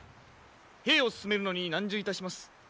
兵を進めるのに難渋いたします。